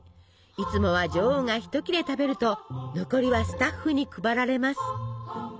いつもは女王が一切れ食べると残りはスタッフに配られます。